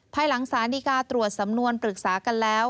ภายหลังสารดีกาตรวจสำนวนปรึกษากันแล้ว